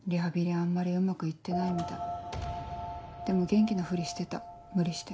あんまりうまく行ってないみたいでも元気なふりしてた無理して。